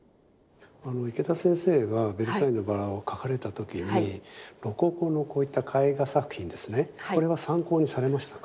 池田先生は「ベルサイユのばら」を描かれた時にロココのこういった絵画作品ですねこれは参考にされましたか？